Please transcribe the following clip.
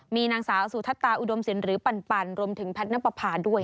มีนางสาวสุทัศตาอุดมศิลปหรือปันรวมถึงแพทย์นับประพาด้วย